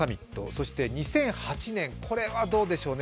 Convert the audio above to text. そして２００８年、これはどうでしょうね？